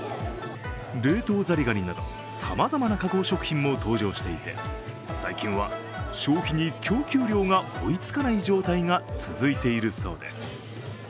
冷凍ザリガニなどさまざまな加工食品も登場していて最近は消費に供給量が追いつかない状態が続いているそうです。